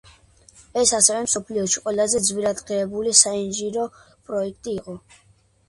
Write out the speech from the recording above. ეს ასევე მსოფლიოში ყველაზე ძვირადღირებული საინჟინრო პროექტი იყო.